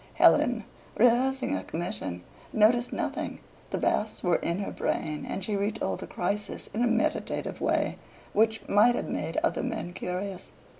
Helen, rehearsing her commission, noticed nothing: the Basts were in her brain, and she retold the crisis in a meditative way, which might have made other men curious.